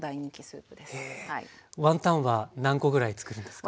ワンタンは何個ぐらいつくるんですか？